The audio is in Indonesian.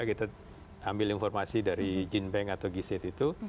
kita ambil informasi dari gene bank atau g sit itu